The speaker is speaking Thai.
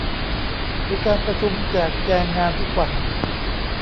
มีการประชุมแจกแจงงานทุกวัน